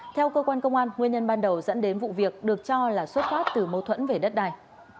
theo cơ quan công an nguyên nhân ban đầu dẫn đến vụ việc được cho là xuất phát từ mâu thuẫn về đất đai